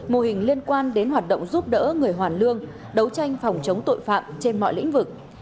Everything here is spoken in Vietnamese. mô hình liên quan đến hoạt động giúp đỡ người hoàn lương đấu tranh phòng chống tội phạm trên mọi lĩnh vực